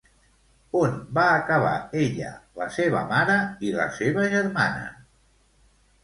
On van acabar ella, la seva mare i la seva germana?